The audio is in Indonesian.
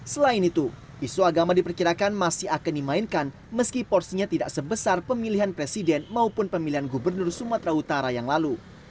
selain itu isu agama diperkirakan masih akan dimainkan meski porsinya tidak sebesar pemilihan presiden maupun pemilihan gubernur sumatera utara yang lalu